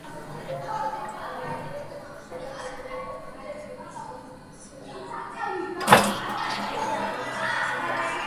ალბომში შეტანილია ერთმანეთთან დაკავშირებული სიმღერები, რითაც იგი კონცეპტუალური ალბომის სახეს იძენს.